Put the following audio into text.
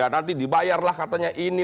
nanti dibayarlah katanya ini